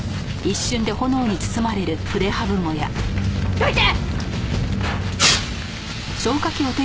どいて！